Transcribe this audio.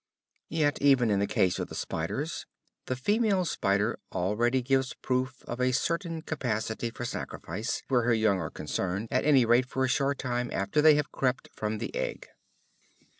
Yet even in the case of the spiders, the female spider already gives proof of a certain capacity for sacrifice where her young are concerned, at any rate for a short time after they have crept from the egg.